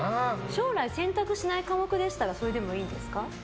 将来選択しない科目でしたらそれでもいいですか。